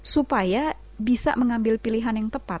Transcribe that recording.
supaya bisa mengambil pilihan yang tepat